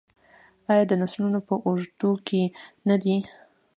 آیا د نسلونو په اوږدو کې نه دی؟